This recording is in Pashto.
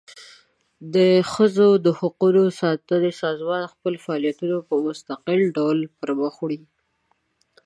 د ښځو د حقوقو ساتونکي سازمانونه خپل فعالیتونه په مستقل ډول پر مخ وړي.